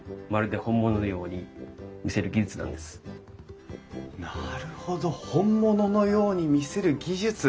これをなるほど本物のように見せる技術！